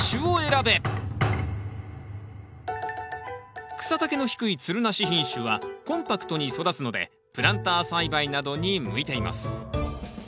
ここで草丈の低いつるなし品種はコンパクトに育つのでプランター栽培などに向いています。